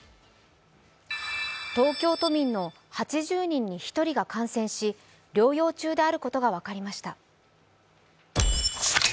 東京都民の８０人に１人が感染し療養中であることが分かりました。